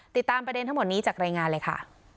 ติดตามประเด็นทั้งหมดนี้จากรายงานเลยค่ะ